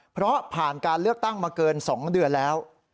เพราะผ่านการเลือกตั้งมาเกิน๒เดือนแล้ว